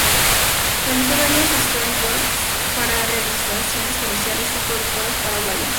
Realizó varios storyboards para realizaciones comerciales en productoras paraguayas.